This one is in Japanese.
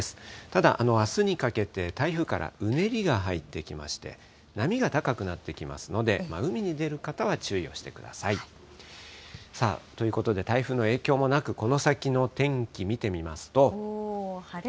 ただ、あすにかけて台風からうねりが入ってきまして、波が高くなってきますので、海に出る方は注意をしてください。ということで、台風の影響もなく、この先の天気見てみますと。